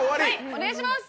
お願いします！